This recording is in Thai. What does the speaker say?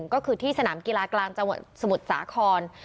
ก็คือที่สนามกีฬากลางจังหวัดสมุทรสาคร